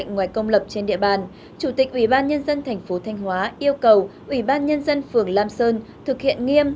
ngoài công lập trên địa bàn chủ tịch ubnd tp thanh hóa yêu cầu ubnd phường lam sơn thực hiện nghiêm